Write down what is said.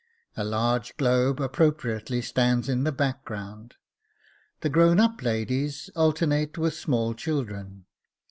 A large globe appropriately stands in the background. The grown up ladies alternate with small children.